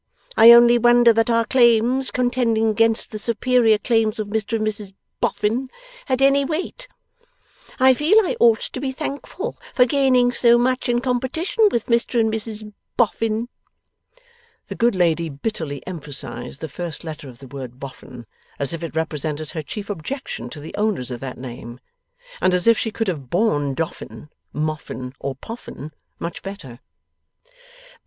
I only wonder that our claims, contending against the superior claims of Mr and Mrs Boffin, had any weight. I feel I ought to be thankful for gaining so much, in competition with Mr and Mrs Boffin.' (The good lady bitterly emphasized the first letter of the word Boffin, as if it represented her chief objection to the owners of that name, and as if she could have born Doffin, Moffin, or Poffin much better.)